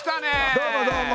どうもどうも。